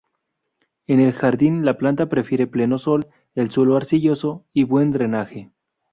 En el jardín, la planta prefiere pleno sol, el suelo arcilloso, y buen drenaje.